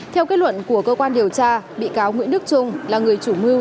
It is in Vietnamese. theo kết luận của cơ quan điều tra bị cáo nguyễn đức trung là người chủ mưu